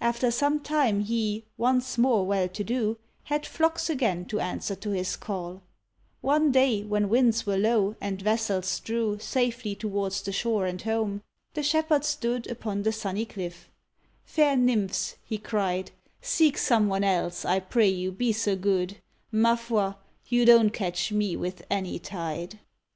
After some time he, once more well to do, Had flocks again to answer to his call; One day when winds were low, and vessels drew Safely towards the shore and home, the Shepherd stood Upon the sunny cliff: "Fair nymphs," he cried, "Seek some one else, I pray you be so good; Ma foi, you don't catch me with any tide."